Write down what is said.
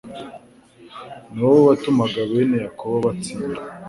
ni wowe watumaga bene Yakobo batsinda